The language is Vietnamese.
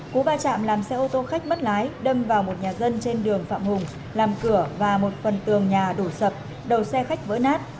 cú va chạm làm xe ô tô khách mất lái đâm vào một nhà dân trên đường phạm hùng làm cửa và một phần tường nhà đổ sập đầu xe khách vỡ nát